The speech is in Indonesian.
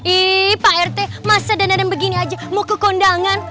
ih pak rt masa danada begini aja mau ke kondangan